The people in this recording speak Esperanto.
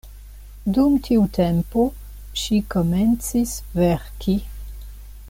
Dum tiu tempo ŝi komencis verki.